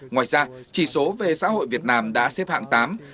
ngoài ra chỉ số về xã hội việt nam đã xếp hạng tám